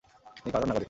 তিনি কানাডার নাগরিক।